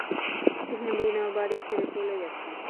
ভীনাও বাড়ি ছেড়ে চলে গেছে।